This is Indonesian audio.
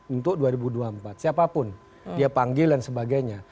untuk dua ribu dua puluh empat siapapun dia panggil dan sebagainya